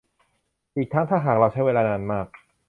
อีกทั้งถ้าหากเราใช้เวลานานมาก